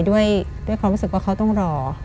ด้วยความรู้สึกว่าเขาต้องรอ